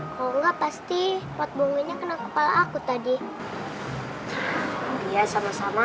kalau enggak pasti buat bohonginnya kena kepala aku tadi iya sama sama